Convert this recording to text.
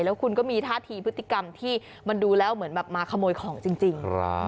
แล้วคุณก็มีท่าทีพฤติกรรมที่มันดูแล้วเหมือนแบบมาขโมยของจริง